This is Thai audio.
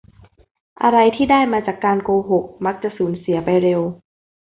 อะไรที่ได้มาจากการโกหกมักจะสูญเสียไปเร็ว